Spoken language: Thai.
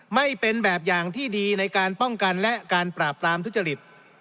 ไม่เป็นแบบอย่างที่ดีในการป้องกันและการปราบปรามทุจริต